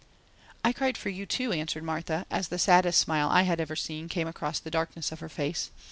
"I cried for you, too," answered Martha, as the saddest smile I had ever seen came across the darkness of her face.